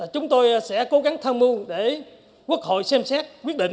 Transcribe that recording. chúng tôi sẽ cố gắng tham mưu để quốc hội xem xét quyết định